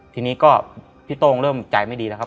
ทีนี้ก็พี่โต้งเริ่มใจไม่ดีแล้วครับ